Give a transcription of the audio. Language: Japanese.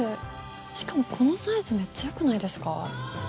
しかもこのサイズめっちゃ良くないですか？